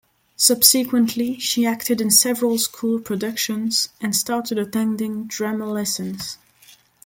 Subsequently, she acted in several school productions and started attending drama lessons.